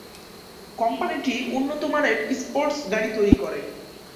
কোম্পানিটি উন্নতমানের স্পোর্টস গাড়ি তৈরি করে।